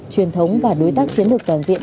truyền thống và đối tác chiến lược toàn diện